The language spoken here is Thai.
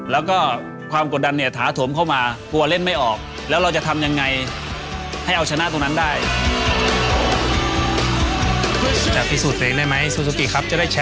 แล้วก็ความกดดันเนี่ยถาถวมเข้ามากลัวเล่นไม่ออก